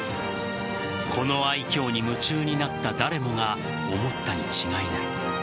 この愛嬌に夢中になった誰もが思ったに違いない。